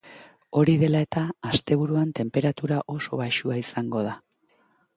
Hori dela eta, asteburuan tenperatura oso baxua izango da.